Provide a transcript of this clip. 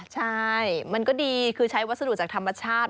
ใช่มันก็ดีคือใช้วัสดุจากธรรมชาติ